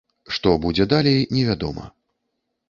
Што будзе далей, невядома.